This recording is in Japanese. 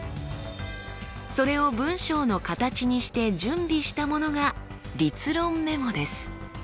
それを文章の形にして準備したものが立論メモです。